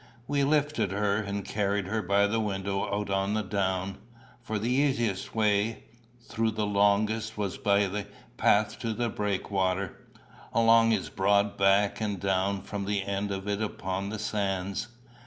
We lifted her, and carried her by the window out on the down, for the easiest way, though the longest, was by the path to the breakwater, along its broad back and down from the end of it upon the sands.